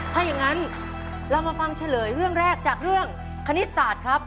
ถ้าอย่างนั้นเรามาฟังเฉลยเรื่องแรกจากเรื่องคณิตศาสตร์ครับ